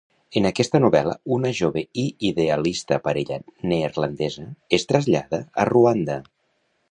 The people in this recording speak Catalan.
En aquesta novel·la, una jove i idealista parella neerlandesa es trasllada a Ruanda.